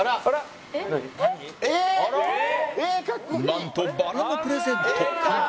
なんとバラのプレゼント